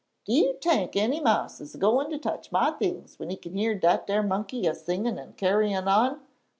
"Do you t'ink any mouse is a goin' to touch my t'ings when he can hear dat ar monkey a singin' an' carryin' on?